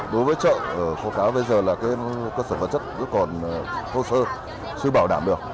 đối với chợ ở khu cáo bây giờ là cái cơ sở vật chất rất còn thô sơ chưa bảo đảm được